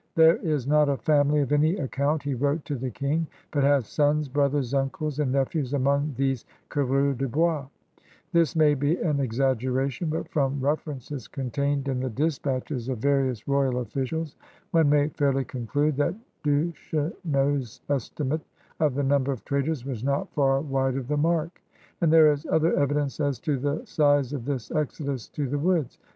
"There is not a family of any accoimt," he wrote to the King, "but has sons, brothers, uncles, and nephews among these coureurs de boisJ* This may be an exaggeration, but from references contained in the dispatches of various royal officials one may fairly conclude that Duchesneau's esti mate of the number of traders was not far wide of the mark. And there is other evidence as to the size of this exodus to the woods.